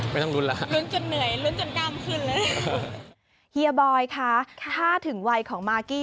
แล้วก็ขอให้พี่บอยมีเร็วเช่นกันค่ะ